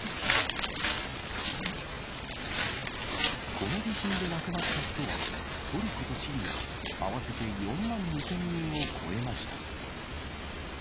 この地震で亡くなった人は、トルコとシリア合わせて４万２０００人を超えました。